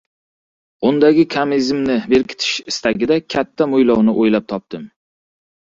Undagi komizmni berkitish istagida kalta mo‘ylovni o‘ylab topdim.